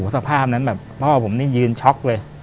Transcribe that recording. สภาพนั้นแบบพ่อผมนี่ยืนช็อกเลย